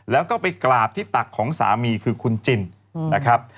แล้วก็ไปกราบที่ตักของสามีคือคุณจินนะครับ